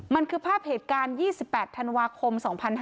มันคือภาพเหตุการณ์๒๘ธันวาคม๒๕๕๙